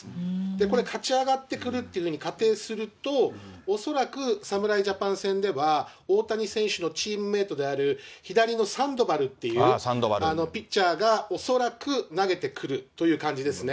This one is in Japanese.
これ、勝ち上がってくるっていうふうに仮定すると、恐らく侍ジャパン戦では、大谷選手のチームメートである左のサンドバルっていうピッチャーが、恐らく投げてくるという感じですね。